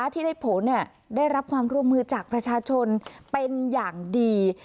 ที่ได้ผลได้รับความร่วมมือจากประชาชนเป็นอย่างดี